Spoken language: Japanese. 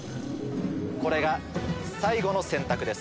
これが最後の選択です。